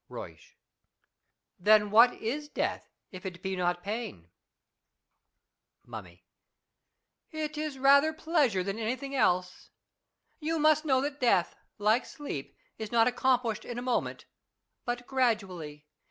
Euysch. Then what is death, if it be not pain ? Mummy. It is rather pleasure than anything else. You must know that death, like sleep, is not accomplished in a moment, but gradually.